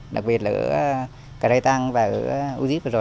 đặc biệt là ở cà rai tăng và ở úi díp vừa rồi